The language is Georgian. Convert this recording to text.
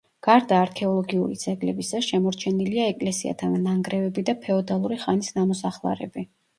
გარდა არქეოლოგიური ძეგლებისა შემორჩენილია ეკლესიათა ნანგრევები და ფეოდალური ხანის ნამოსახლარები.